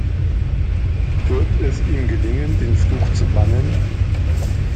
Wird es ihm gelingen, den Fluch zu bannen?